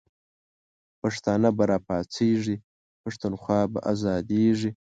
پښتانه به راپاڅیږی، پښتونخوا به آزادیږی